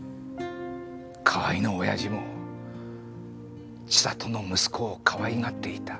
河合のオヤジも千里の息子をかわいがっていた。